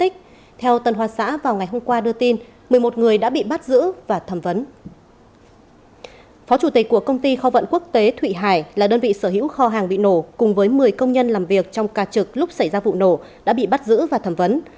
phó chủ tịch của công ty kho vận quốc tế thụy hải là đơn vị sở hữu kho hàng bị nổ cùng với một mươi công nhân làm việc trong ca trực lúc xảy ra vụ nổ đã bị bắt giữ và thẩm vấn